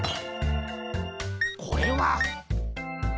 これはっ！